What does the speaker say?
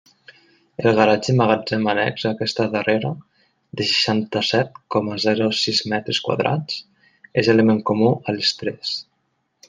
El garatge magatzem annex a aquesta darrera, de seixanta-set coma zero sis metres quadrats, és element comú a les tres.